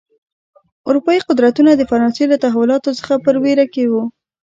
اروپايي قدرتونه د فرانسې له تحولاتو څخه په وېره کې و.